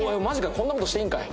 こんな事していいんかい。